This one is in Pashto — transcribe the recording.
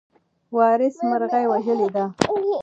وارث مرغۍ وژلې ده.